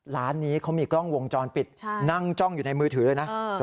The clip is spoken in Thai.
ร้านนี้เขามีกล้องวงจรปิดนั่งจ้องอยู่ในมือถือเลยนะ